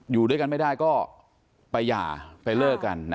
อยู่ด้วยกันไม่ได้ก็ไปหย่าไปเลิกกัน